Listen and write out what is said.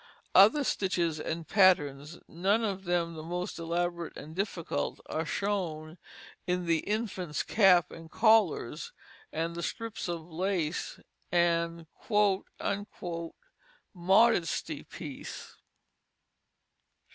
Other stitches and patterns, none of them the most elaborate and difficult, are shown in the infant's cap and collars, and the strips of lace and "modesty piece."